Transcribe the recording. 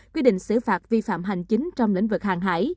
quy định xử phạt vi phạm hành chính trong lĩnh vực hàng hải